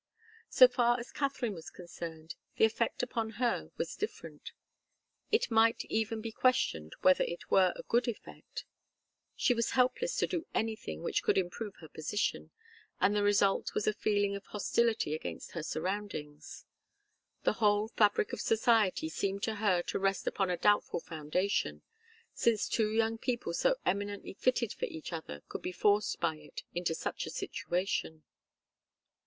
So far as Katharine was concerned, the effect upon her was different. It might even be questioned whether it were a good effect. She was helpless to do anything which could improve her position, and the result was a feeling of hostility against her surroundings. The whole fabric of society seemed to her to rest upon a doubtful foundation, since two young people so eminently fitted for each other could be forced by it into such a situation.